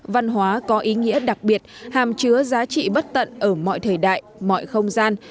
văn hóa có ý nghĩa đặc biệt hàm chứa giá trị bất tận ở mọi thời đại mọi không gian